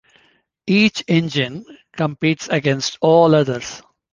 Each engine competes against all others.